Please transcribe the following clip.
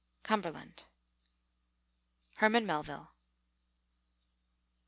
Cumberland! HERMAN MELVILLE.